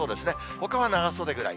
ほかは長袖ぐらい。